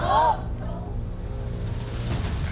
ถูก